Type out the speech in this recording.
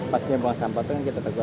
pastinya buang sampah itu kan kita tegur